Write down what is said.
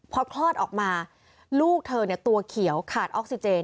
พอคลอดออกมาลูกเธอตัวเขียวขาดออกซิเจน